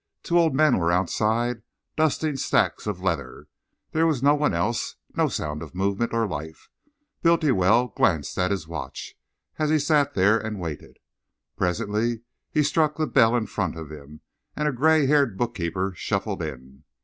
Two old men were outside, dusting stacks of leather. There was no one else, no sound of movement or life. Bultiwell glanced at his watch, as he sat there and waited. Presently he struck the bell in front of him, and a grey haired bookkeeper shuffled in.